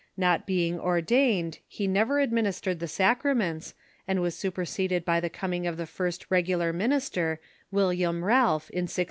Not being ordained, he never administered the sacraments, and was su perseded by the coming of the first regular minister, William Ralph, in 1629.